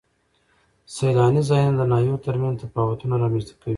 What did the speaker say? سیلاني ځایونه د ناحیو ترمنځ تفاوتونه رامنځ ته کوي.